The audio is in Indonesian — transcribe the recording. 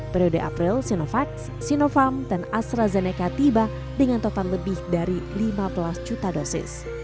periode april sinovac sinovac dan astrazeneca tiba dengan total lebih dari lima belas juta dosis